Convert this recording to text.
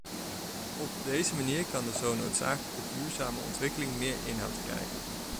Op deze manier kan de zo noodzakelijke duurzame ontwikkeling meer inhoud krijgen.